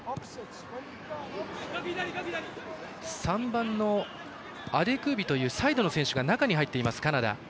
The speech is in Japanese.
３番のアデクービというサイドの選手が中に入っています、カナダ。